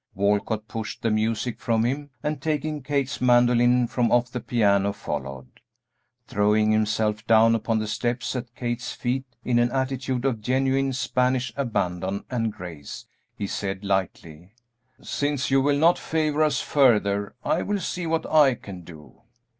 Walcott pushed the music from him, and, taking Kate's mandolin from off the piano, followed. Throwing himself down upon the steps at Kate's feet in an attitude of genuine Spanish abandon and grace, he said, lightly, "Since you will not favor us further, I will see what I can do."